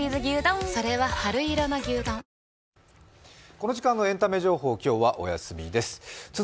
この時間のエンタメ情報、今日はお休みです。